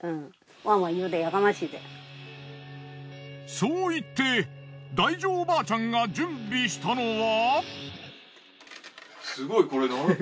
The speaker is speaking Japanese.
そう言ってダイ女おばあちゃんが準備したのは。